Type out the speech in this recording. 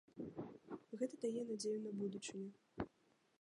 Гэта дае надзею на будучыню.